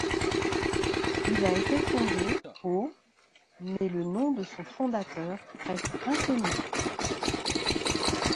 Il a été fondé au mais le nom de son fondateur reste inconnu.